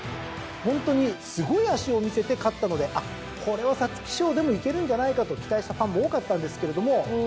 ホントにすごい脚を見せて勝ったのでこれは皐月賞でもいけるんじゃないかと期待したファンも多かったんですけれども。